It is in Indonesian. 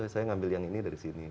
saya ngambil yang ini dari sini